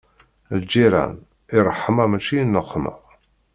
Lǧiran, i ṛṛeḥma mačči i nneqma.